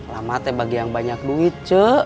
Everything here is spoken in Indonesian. lama teh bagi yang banyak duit cu